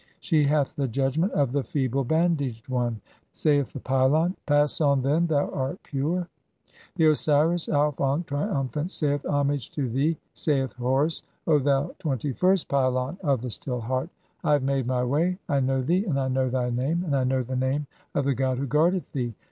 She hath the (70) judgment of the feeble bandaged one." [Saith the pylon :—] "Pass on, then, thou art pure." XXI. (71) The Osiris Auf ankh, triumphant, saith :— "Homage to thee, saith Horus, O thou twenty first pylon of the "Still Heart. I have made [my] way. I know thee, and I know "thy name, (72) and I know the name of the god who guardeth "thee.